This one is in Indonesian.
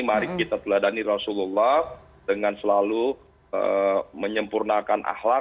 mari kita teladani rasulullah dengan selalu menyempurnakan ahlak